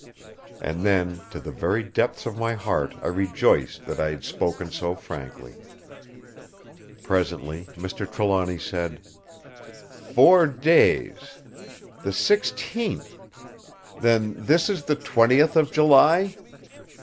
And then to the very depths of my heart I rejoiced that I had spoken so frankly. Presently Mr. Trelawny said: "Four days! The sixteenth! Then this is the twentieth of July?"